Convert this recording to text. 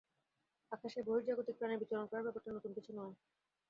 আকাশে বহির্জাগতিক প্রাণীর বিচরণ করার ব্যাপারটা নতুন কিছু নয়।